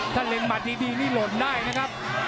ถ้าเล่นหมัดดีนี่หล่นได้นะครับ